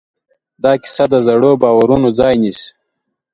دا کیسه د زړو باورونو ځای نيسي.